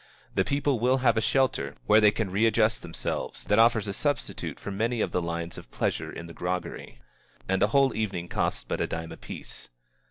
The people will have a shelter where they can readjust themselves, that offers a substitute for many of the lines of pleasure in the groggery. And a whole evening costs but a dime apiece.